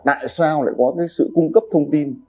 tại sao lại có cái sự cung cấp thông tin